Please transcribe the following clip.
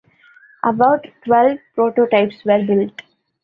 About twelve prototypes were built.